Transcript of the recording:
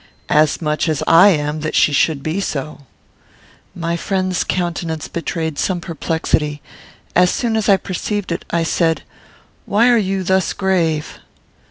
"As much as I am that she should be so." My friend's countenance betrayed some perplexity. As soon as I perceived it, I said, "Why are you thus grave?"